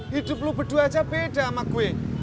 hidup lo berdua aja beda sama gue